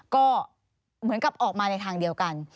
ก็เหมือนกับออกมาในทางเดียวกัน